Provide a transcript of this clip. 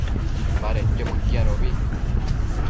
badedquio mëquiadobi